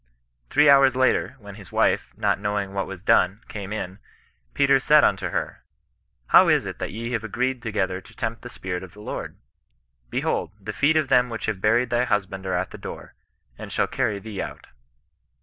Three hours after, when his wife, not knowing what was done, came in, Peter said unto her, " How is it that ye have agreed together to tempt the Spirit of the Lord ? Behold, the feet of them which have buried thy husband are at the door, and shall carry thee out.